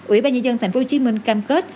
ủy ban nhân dân tp hcm cam kết